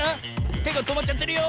てがとまっちゃってるよ。